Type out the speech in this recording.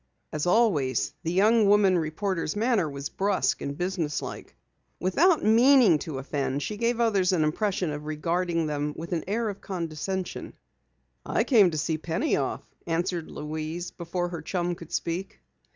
As always, the young woman reporter's manner was brusque and business like. Without meaning to offend, she gave others an impression of regarding them with an air of condescension. "I came to see Penny off," answered Louise before her chum could speak.